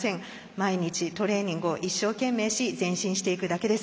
毎日、トレーニングを一生懸命し前進していくだけです。